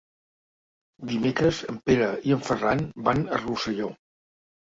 Dimecres en Pere i en Ferran van a Rosselló.